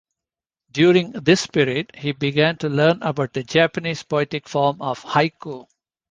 During this period, he began to learn about the Japanese poetic form of haiku.